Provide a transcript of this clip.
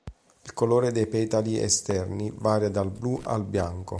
Il colore dei petali esterni varia dal blu al bianco.